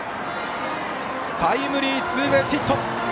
タイムリーツーベースヒット！